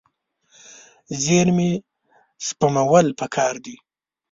زیرمې سپمول پکار دي.